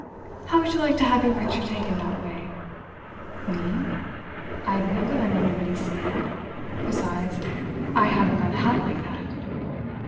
"How would you like to have your picture taken that way?" "Me? I'd never let anybody see it. Besides, I haven't got a hat like that!"